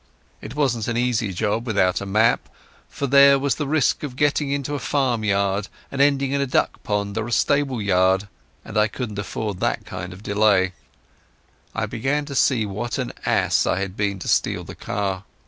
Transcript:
It wasn't an easy job without a map, for there was the risk of getting on to a farm road and ending in a duck pond or a stable yard, and I couldn't afford that kind of delay. I began to see what an ass I had been to steal the car.